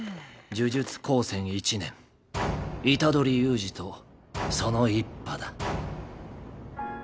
呪術高専一年虎杖悠仁とその一派だ。